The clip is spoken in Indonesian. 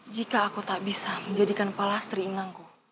jika aku tak bisa menjadikan palastri inangku